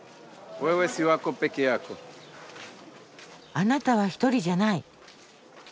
「あなたは一人じゃない」。